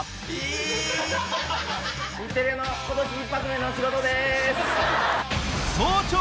日テレの今年一発目の仕事です。